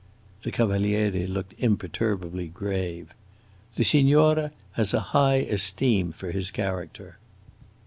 The Cavaliere looked imperturbably grave. "The signora has a high esteem for his character."